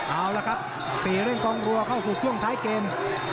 เอาละครับตีเร่งกองรัวเข้าสู่ช่วงท้ายเกม